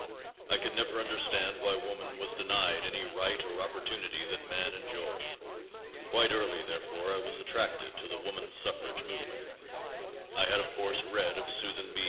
I could never understand why woman was denied any right or opportunity that man enjoyed. Quite early, therefore, I was attracted to the woman suffrage movement. I had of course read of Susan B.